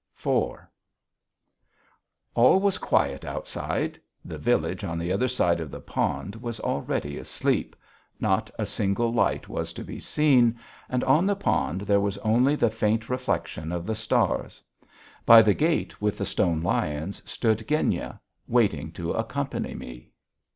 IV All was quiet outside: the village on the other side of the pond was already asleep, not a single light was to be seen, and on the pond there was only the faint reflection of the stars. By the gate with the stone lions stood Genya, waiting to accompany me.